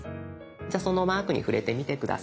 じゃあそのマークに触れてみて下さい。